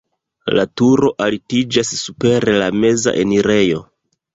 La turo altiĝas super la meza enirejo.